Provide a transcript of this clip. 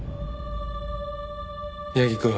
八木くん